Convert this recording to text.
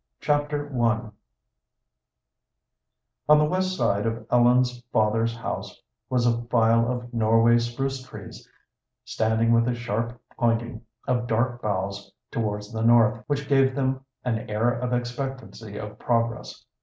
] Chapter I On the west side of Ellen's father's house was a file of Norway spruce trees, standing with a sharp pointing of dark boughs towards the north, which gave them an air of expectancy of progress.